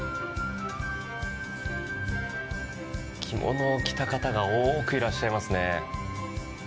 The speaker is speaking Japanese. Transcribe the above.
着物を着た方が多くいらっしゃいますね。